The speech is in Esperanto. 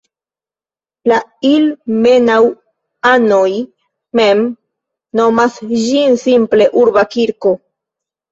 La ilmenau-anoj mem nomas ĝin simple "Urba kirko".